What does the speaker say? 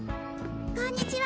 こんにちは！